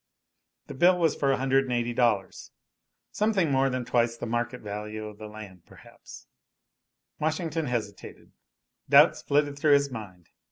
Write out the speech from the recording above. The bill was for $180 something more than twice the market value of the land, perhaps. Washington hesitated. Doubts flitted through his mind.